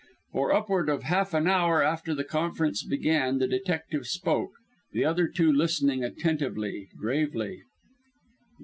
For upward of half an hour after the conference began the detective spoke, the other two listening attentively, gravely.